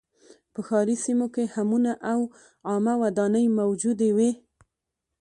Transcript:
په ښاري سیمو کې حمونه او عامه ودانۍ موجودې وې